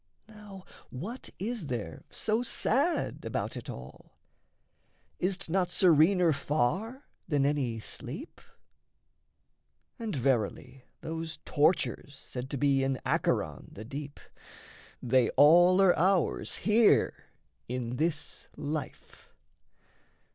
Now what is there so sad about it all? Is't not serener far than any sleep? And, verily, those tortures said to be In Acheron, the deep, they all are ours Here in this life.